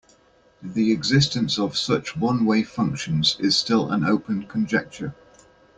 The existence of such one-way functions is still an open conjecture.